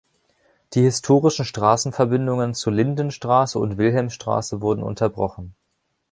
Die historischen Straßenverbindungen zur Lindenstraße und Wilhelmstraße wurden unterbrochen.